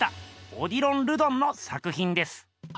オディロン・ルドンの作ひんです。